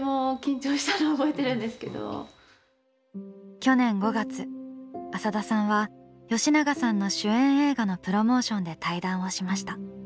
去年５月浅田さんは吉永さんの主演映画のプロモーションで対談をしました。